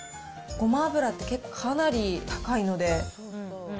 ごま油って結構、かなり高いので。